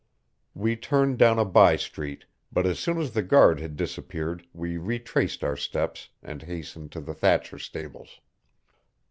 We turned down a by street, but as soon as the guard had disappeared we retraced our steps and hastened to the Thatcher stables.